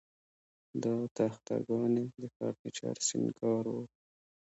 دا تخته ګانې د فرنیچر سینګار و